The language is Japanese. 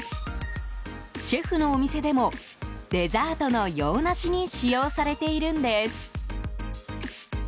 シェフのお店でも、デザートの洋梨に使用されているんです。